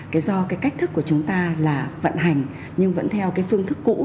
thế do cái cách thức của chúng ta là vận hành nhưng vẫn theo cái phương thức cũ